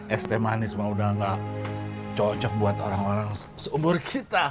es teh manis mah udah gak cocok buat orang orang seumur kita